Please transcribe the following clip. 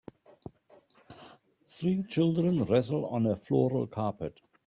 Three children wrestle on a floral carpet.